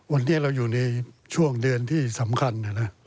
วันนี้เราอยู่ในช่วงเดือนที่สำคัญ